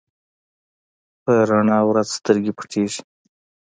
په رڼا ورځ سترګې پټېږي.